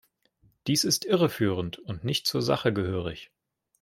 Dies ist irreführend und nicht zur Sache gehörig.